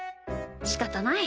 しかたない。